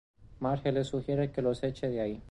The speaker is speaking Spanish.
Marge le sugiere que los eche de allí.